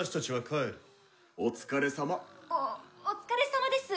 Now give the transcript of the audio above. おお疲れさまです。